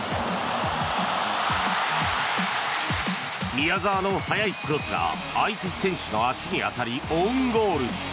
宮澤の早いクロスが相手選手の足に当たりオウンゴール。